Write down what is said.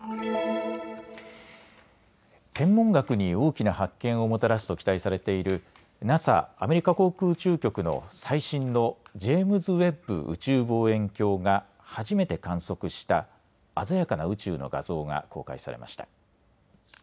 天文学に大きな発見をもたらすと期待されているＮＡＳＡ・アメリカ航空宇宙局の最新のジェームズ・ウェッブ宇宙望遠鏡が初めて観測した鮮やかな宇宙の画像が公開されました。